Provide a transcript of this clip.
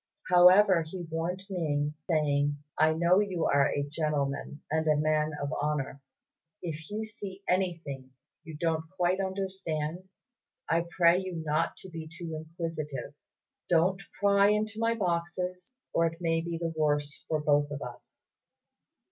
However, he warned Ning, saying, "I know you are a gentleman and a man of honour. If you see anything you don't quite understand, I pray you not to be too inquisitive; don't pry into my boxes, or it may be the worse for both of us."